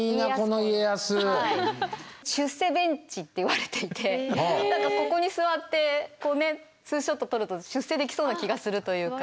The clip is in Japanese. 「出世ベンチ」って言われていてここに座って２ショット撮ると出世できそうな気がするというか。